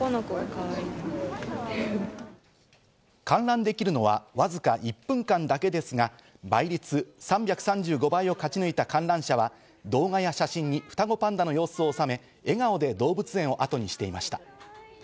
観覧できるのはわずか１分だけですが、倍率３３５倍を勝ち抜いた観覧者は動画や写真に双子パンダの様子をおさめ、笑顔で動物園をあとにしていました。